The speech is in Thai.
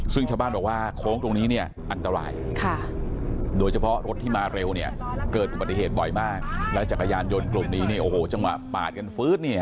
ซึ่งชาวบ้านบอกว่าโค้งตรงนี้เนี่ยอันตรายโดยเฉพาะรถที่มาเร็วเนี่ยเกิดอุบัติเหตุบ่อยมากแล้วจักรยานยนต์กลุ่มนี้เนี่ยโอ้โหจังหวะปาดกันฟื้น